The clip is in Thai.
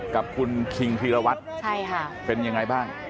กับคุณคิงพีรวัตรเป็นยังไงบ้าง